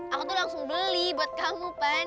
aku tuh langsung beli buat kamu kan